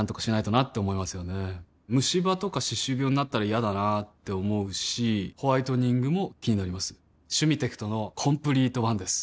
ムシ歯とか歯周病になったら嫌だなって思うしホワイトニングも気になります「シュミテクトのコンプリートワン」です